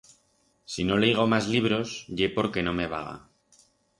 Si no leigo mas libros ye porque no me vaga.